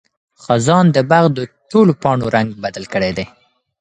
خزان د باغ د ټولو پاڼو رنګ بدل کړی دی.